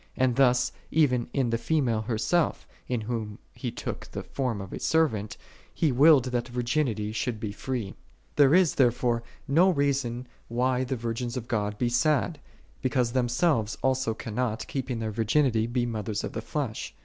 And thus, even in the female herself, in whom He took the form of a servant, He willed that virginity should be free. 5. There is, therefore, no reason why the virgins of God be sad, because themselves also cannot, keeping their virginity, be mothers of the flesh.